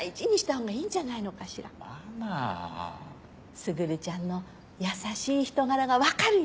卓ちゃんの優しい人柄がわかるような。